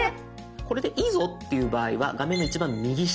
「これでいいぞ」っていう場合は画面の一番右下。